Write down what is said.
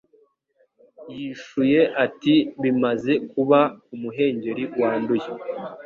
Yishuye ati Bimaze kuba ku muhengeri wanduye